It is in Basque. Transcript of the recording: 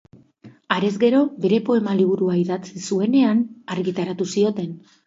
Harez gero, bere poema liburua idatzi zuenean, argitaratu zioten.